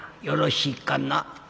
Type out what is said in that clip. よろしいかな」。